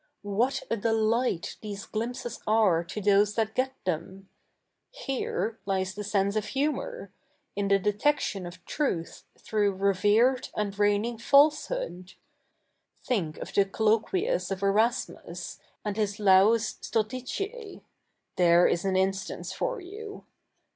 What a delight these ghmpses a7'e to those that get the 771 1 He7 e lies the se7ise of hu7nour —in the detection CH. ivj THE NEW REPUBLIC 171 of truth through revered and i eigning falsehood. Think of the colloquies of Erasmus, a?id his Laus StultiticE. — there is an instance for you.